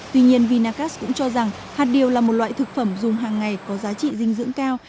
tuy nhiên vinacast cũng cho rằng hạt điều là một loại thực phẩm dùng hàng ngày có giá trị dinh dưỡng cao